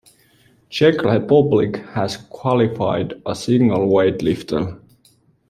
Czech Republic has qualified a single weightlifter.